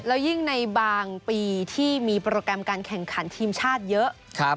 แล้วยิ่งในบางปีที่มีโปรแกรมการแข่งขันทีมชาติเยอะ